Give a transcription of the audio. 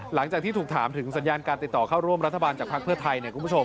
หลังจากที่ถูกถามถึงสัญญาณการติดต่อเข้าร่วมรัฐบาลจากพักฯเพื่อไทย